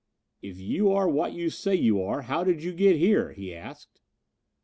"If you are what you say you are, how did you get here?" he asked.